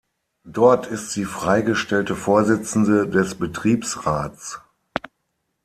Dort ist sie freigestellte Vorsitzende des Betriebsrats.